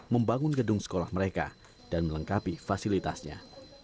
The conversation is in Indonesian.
membangun gedung sekolah mereka dan melengkapi fasilitasnya